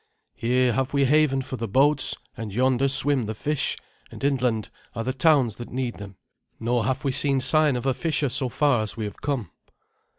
Here have we haven for the boats, and yonder swim the fish, and inland are the towns that need them. Nor have we seen a sign of a fisher so far as we have come."